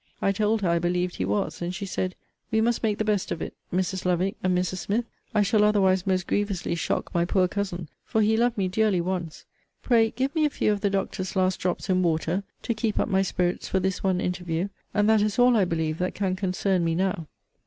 I told her, I believed he was; and she said, We must make the best of it, Mrs. Lovick, and Mrs. Smith. I shall otherwise most grievously shock my poor cousin: for he loved me dearly once. Pray give me a few of the doctor's last drops in water, to keep up my spirits for this one interview; and that is all, I believe, that can concern me now.